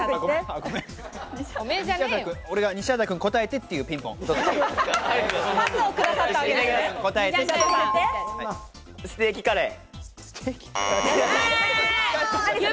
西畑君、答えてっていうピンステーキカレー。